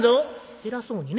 偉そうにね